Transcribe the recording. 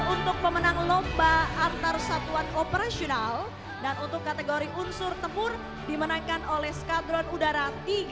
untuk pemenang lomba antar satuan operasional dan untuk kategori unsur tempur dimenangkan oleh skadron udara tiga